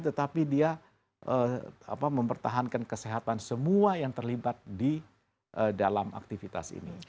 tetapi dia mempertahankan kesehatan semua yang terlibat di dalam aktivitas ini